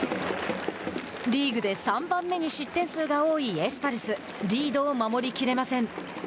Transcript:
リーグで３番目に失点数が多いエスパルスリードを守り切れません。